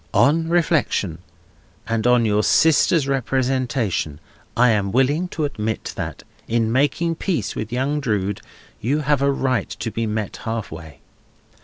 On reflection, and on your sister's representation, I am willing to admit that, in making peace with young Drood, you have a right to be met half way.